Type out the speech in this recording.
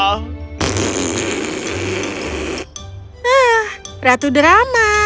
kau seperti si ratu drama